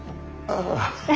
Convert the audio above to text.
ああ。